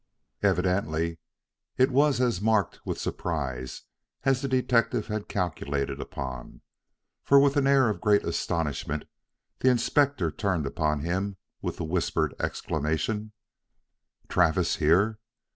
Evidently it was as marked with surprise as the detective had calculated upon, for with an air of great astonishment the Inspector turned upon him with the whispered exclamation: "Travis here!